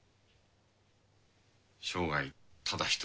生涯ただ１人